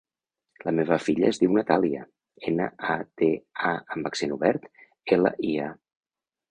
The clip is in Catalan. La meva filla es diu Natàlia: ena, a, te, a amb accent obert, ela, i, a.